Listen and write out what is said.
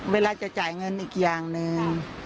เวลาจะจ่ายเงินอีกอย่างหนึ่ง